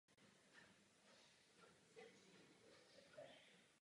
Tentokrát šel průvod až z nádvoří mlýna Budína.